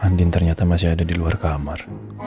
andin ternyata masih ada di luar kamar